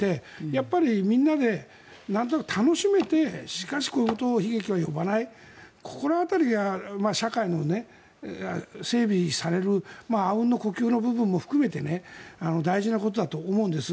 やっぱりみんなでなんとなく楽しめてしかし、こういう悲劇は呼ばないこの辺りが社会の整備されるあうんの呼吸の部分も含めて大事なことだと思うんです。